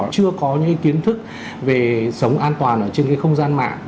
chưa có những cái kiến thức về sống an toàn ở trên cái không gian mạng